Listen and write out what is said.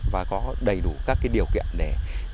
và có đầy đủ các cái điều kiện để